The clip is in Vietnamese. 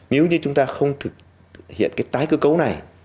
nếu như chúng ta không thực hiện cái tái cơ cấu này